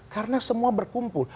karena semua berkumpul